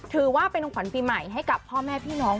ถือว่าเป็นขวัญปีใหม่ให้กับพ่อแม่พี่น้อง